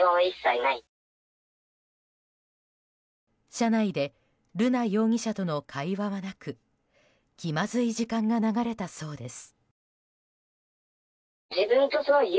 車内で瑠奈容疑者との会話はなく気まずい時間が流れたそうです。